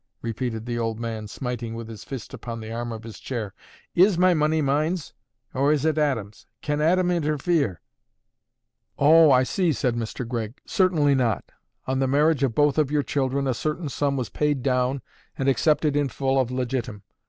repeated the old man, smiting with his fist upon the arm of his chair. "Is my money mine's, or is it Aadam's? Can Aadam interfere?" "O, I see," said Mr. Gregg. "Certainly not. On the marriage of both of your children a certain sum was paid down and accepted in full of legitim.